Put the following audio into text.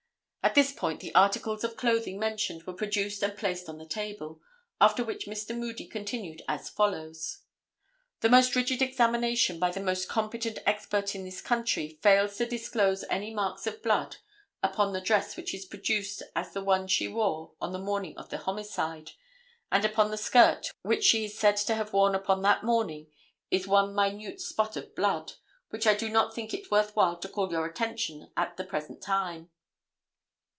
At this point the articles of clothing mentioned were produced and placed on the table, after which Mr. Moody continued as follows: The most rigid examination by the most competent expert in this country fails to disclose any marks of blood upon the dress which is produced as the one she wore on the morning of the homicide, and upon the skirt which she is said to have worn upon that morning is one minute spot of blood, which I do not think it worth while to call to your attention at the present time.